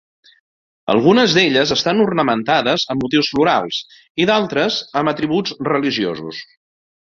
Algunes d'elles estan ornamentades amb motius florals i d'altres amb atributs religiosos.